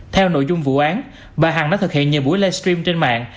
theo nội dung vụ án bà hằng đã thực hiện nhiều buổi live stream trên mạng